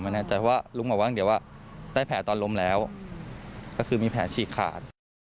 แน่ใจว่าลุงบอกว่าเดี๋ยวว่าได้แผลตอนล้มแล้วก็คือมีแผลฉีกขาด